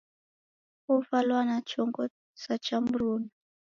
Ovalwa na chongo sa cha mruna.